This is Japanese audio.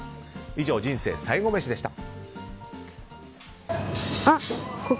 以上、人生最後メシでした。